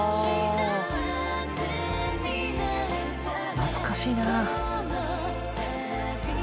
懐かしいな。